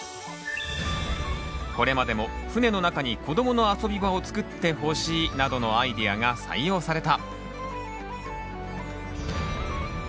これまでも「船の中に子どもの遊び場を作ってほしい」などのアイデアが採用された。